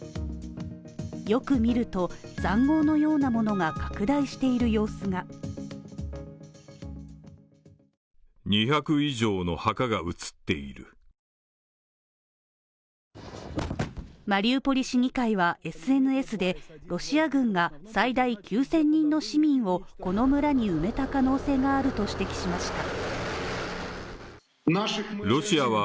よく見ると、塹壕のようなものが拡大している様子がマリウポリ市議会は、ＳＮＳでロシア軍が最大９０００人の市民をこの村に埋めた可能性があると指摘しました。